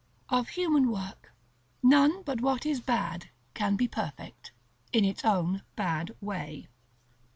Of human work none but what is bad can be perfect, in its own bad way.